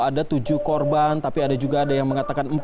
ada tujuh korban tapi ada juga ada yang mengatakan empat